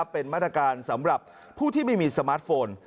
เป็นมาตรการสำหรับผู้ที่ไม่มีสมาร์ทโฟน